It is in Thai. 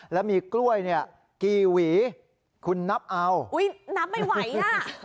แล้วมีกล้วยเนี่ยกี่หวีคุณนับเอาอุ้ยนับไม่ไหวอ่ะ